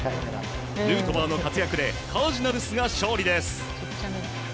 ヌートバーの活躍でカージナルスが勝利です。